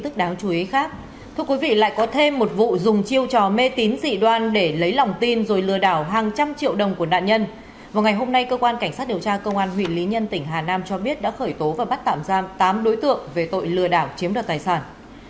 cảnh sát điều tra công an huyện lý nhân tỉnh hà nam cho biết đã khởi tố và bắt tạm giam tám đối tượng về tội lừa đảo chiếm đợt tài sản